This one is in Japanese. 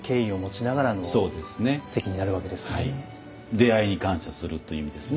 出会いに感謝するという意味ですね。